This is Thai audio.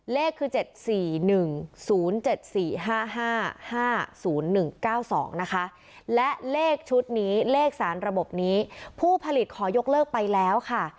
เลขคือ๗๔๑๐๗๔๕๕๕๐๑๙๒นะคะและเลขชุดนี้เลขสารระบบนี้ผู้ผลิตขอยกเลิกไปแล้วค่ะ